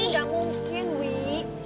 gak mungkin gak mungkin wik